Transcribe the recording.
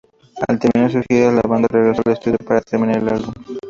Al terminar sus giras, la banda regresó al estudio para terminar el álbum.